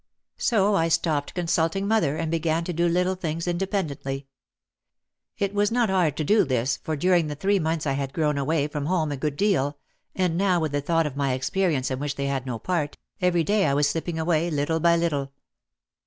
So I stopped consulting mother and began to do little things independently. It was not hard to do this for during the three months I had grown away from home a good deal and now with the thought of my experience in which they had no part, every day I was slipping away little by little.